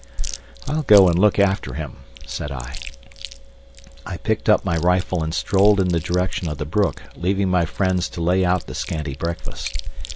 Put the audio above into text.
"I'll go and look after him," said I. I picked up my rifle and strolled in the direction of the brook, leaving my friends to lay out the scanty breakfast.